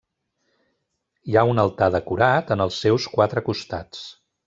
Hi ha un altar decorat en els seus quatre costats.